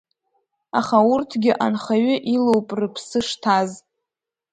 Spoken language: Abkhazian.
Аха урҭгьы Анхаҩы илоуп рыԥсы шҭаз…